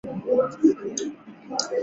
该物种的模式产地在西伯利亚。